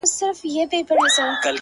• د سپینتمان د سردونو د یسنا لوري ـ